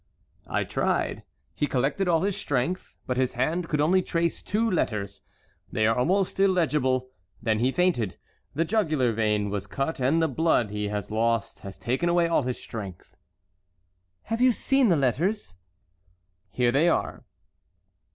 "I tried. He collected all his strength, but his hand could trace only two letters. They are almost illegible. Then he fainted. The jugular vein was cut and the blood he lost has taken away all his strength." "Have you seen the letters?" "Here they are."